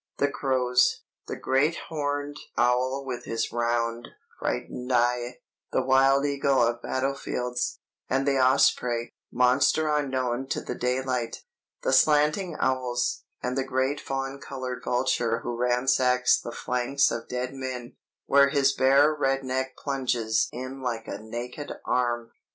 "The crows; the great horned owl with his round, frightened eye; the wild eagle of battle fields, and the osprey, monster unknown to the daylight; the slanting owls, and the great fawn colored vulture who ransacks the flanks of dead men, where his bare red neck plunges in like a naked arm!